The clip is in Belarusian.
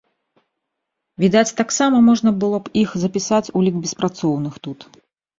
Відаць, таксама можна было б іх запісаць у лік беспрацоўных тут.